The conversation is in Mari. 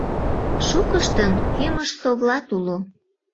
Шукыштын кӱмыж-совлат уло.